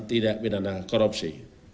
tidak pidana korupsi